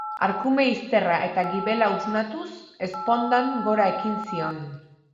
Arkume izterra eta gibela usnatuz, ezpondan gora ekin zion.